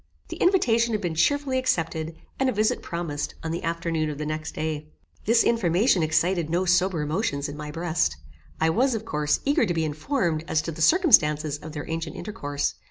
The invitation had been cheerfully accepted, and a visit promised on the afternoon of the next day. This information excited no sober emotions in my breast. I was, of course, eager to be informed as to the circumstances of their ancient intercourse.